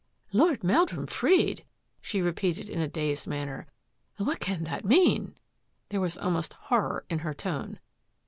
" Lord Meldrum freed !" she repeated in a dazed manner. " What can that mean? " There was almost horror in her tone.